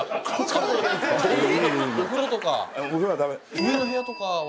上の部屋とかは。